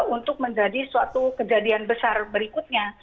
untuk menjadi suatu kejadian besar berikutnya